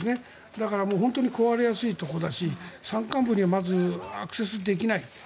だから本当に壊れやすいところだし山間部にはまずアクセスできない。